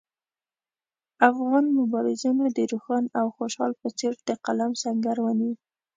افغان مبارزینو د روښان او خوشحال په څېر د قلم سنګر ونیو.